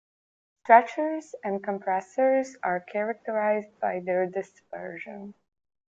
Stretchers and compressors are characterized by their dispersion.